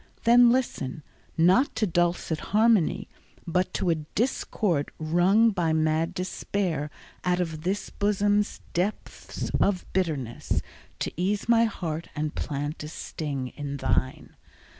Then listen, not to dulcet harmony, But to a discord wrung by mad despair Out of this bosom's depths of bitterness, To ease my heart and plant a sting in thine.